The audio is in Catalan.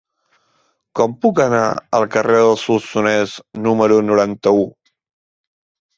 Com puc anar al carrer del Solsonès número noranta-u?